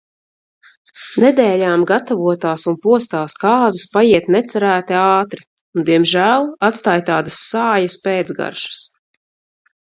Nedēļām gatavotās un postās kāzas paiet necerēti ātri un diemžēl atstāj tādas sājas pēcgaršas.